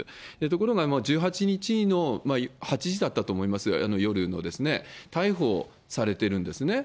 ところが１８日の８時だったと思います、夜の、逮捕されてるんですね。